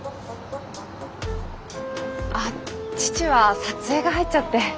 あ父は撮影が入っちゃって。